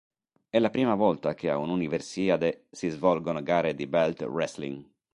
È la prima volta che a un'Universiade si svolgono gare di belt wrestling.